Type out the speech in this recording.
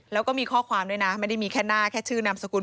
แล้วก็มีข้อความด้วยนะไม่ได้มีแค่หน้าแค่ชื่อนามสกุล